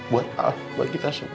buat apa buat kita semua